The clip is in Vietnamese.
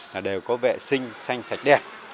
là đều có vệ sinh xanh sạch đẹp